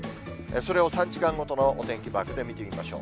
それを３時間ごとのお天気マークで見てみましょう。